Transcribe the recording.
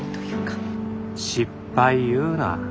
失敗言うな。